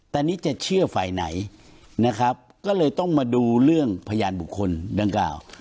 ตอนนี้จะเชื่อฝ่ายไหนนะครับก็เลยต้องมาดูเรื่องพยานบุคคลดังกล่าว